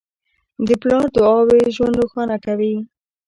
د پلار دعاوې ژوند روښانه کوي.